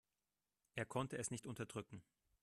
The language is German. Er konnte es nicht unterdrücken.